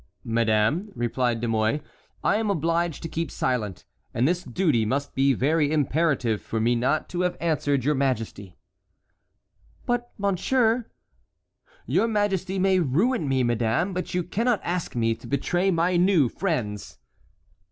"Madame," replied De Mouy, "I am obliged to keep silent, and this duty must be very imperative for me not to have answered your majesty." "But, monsieur"— "Your majesty may ruin me, madame, but you cannot ask me to betray my new friends."